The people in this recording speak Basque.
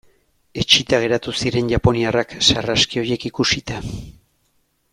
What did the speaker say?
Etsita geratu ziren japoniarrak sarraski horiek ikusita.